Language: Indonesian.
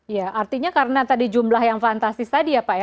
ya artinya karena tadi jumlah yang fantastis tadi ya pak ya